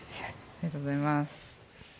・ありがとうございます